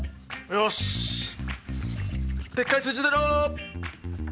よしでっかい数字出ろ！